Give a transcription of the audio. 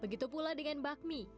begitu pula dengan bakmi